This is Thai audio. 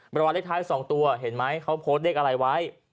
รางวัลเลขท้าย๒ตัวเห็นไหมเขาโพสต์เลขอะไรไว้